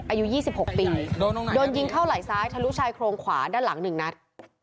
อายุยี่สิบหกปีโดนยิงเข้าไหลยซ้ายทะลุชายโครงขวาด้านหลังหนึ่งนัด